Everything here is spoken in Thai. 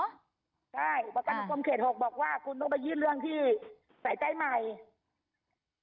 ใช่ประกันกรรมเขต๖บอกว่าคุณต้องไปยื่นเรื่องที่สายใจใหม่